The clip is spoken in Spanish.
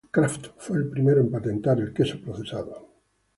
Kraft fue el primero en patentar el queso procesado.